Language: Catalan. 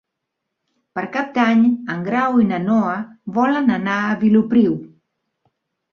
Per Cap d'Any en Grau i na Noa volen anar a Vilopriu.